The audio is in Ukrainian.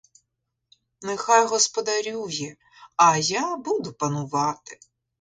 Нехай господарює, а я буду панувати.